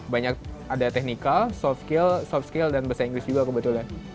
banyak ada teknikal soft skill dan bahasa inggris juga kebetulan